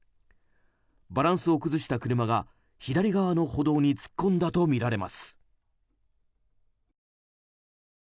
バランスを崩した車が左側の歩道に突っ込んだとみられます。